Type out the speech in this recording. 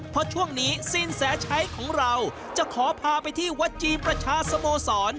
เพราะช่วงนี้สินแสชัยของเราจะขอพาไปที่วัดจีนประชาสโมสร